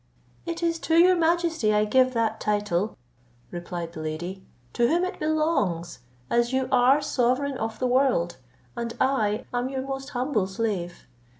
"It is to your majesty I give that title," replied the lady, "to whom it belongs, as you are sovereign of the world, and I am your most humble slave.